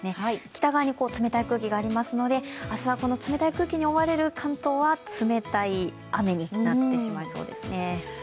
北側に冷たい空気がありますので、明日はこの冷たい空気に覆われる関東は冷たい雨になってしまいそうえｄすね。